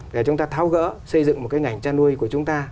để chúng ta thao gỡ xây dựng một ngành cha nuôi của chúng ta